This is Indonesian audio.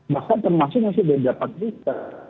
bahkan termasuk yang sudah dapat berita